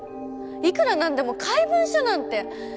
いくら何でも怪文書なんて。